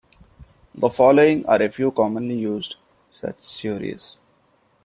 The following are a few commonly used such theories.